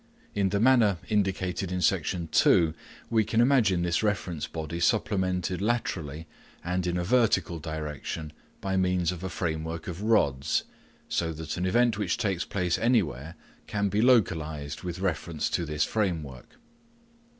In the manner indicated in Section 2 we can imagine this reference body supplemented laterally and in a vertical direction by means of a framework of rods, so that an event which takes place anywhere can be localised with reference to this framework.